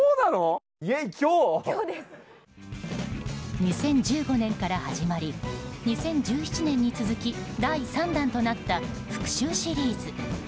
２０１５年から始まり２０１７年に続き第３弾となった復讐シリーズ。